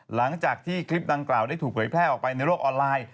หลังจากที่คลิปดังกล่าวได้ถูกเผยแพร่ออกไปในโลกออนไลน์